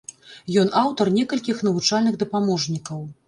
Ён аўтар некалькіх навучальных дапаможнікаў.